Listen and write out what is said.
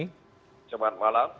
selamat malam pak ermawan